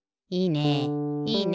いいね！